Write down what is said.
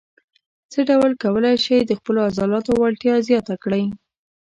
څه ډول کولای شئ د خپلو عضلاتو وړتیا زیاته کړئ.